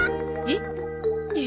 えっ？